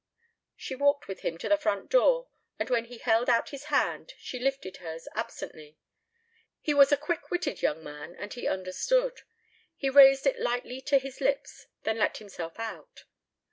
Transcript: She walked with him to the front door, and when he held out his hand she lifted hers absently. He was a quick witted young man and he understood. He raised it lightly to his lips, then let himself out.